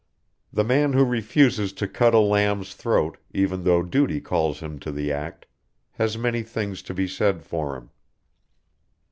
The man who refuses to cut a lamb's throat, even though Duty calls him to the act, has many things to be said for him.